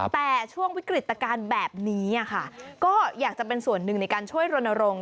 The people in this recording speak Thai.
แต่ช่วงวิกฤตการณ์แบบนี้ก็อยากจะเป็นส่วนหนึ่งในการช่วยรณรงค์